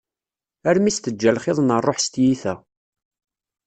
Armi s-teǧǧa lxiḍ n rruḥ s tiyita.